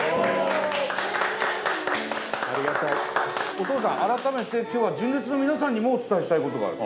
お父さん改めて今日は純烈の皆さんにもお伝えしたいことがある。